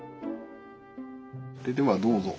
それではどうぞ。